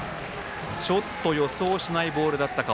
ちょっと予想しないボールだったか。